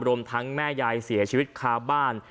รวมทั้งแม่ยายเสียชีวิตคาบ้าน